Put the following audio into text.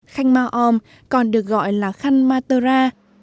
khanh mao ôm còn được gọi là khanh matara